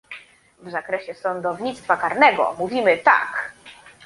W zakresie sądownictwa karnego mówimy tak